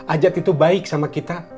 ajat itu baik sama kita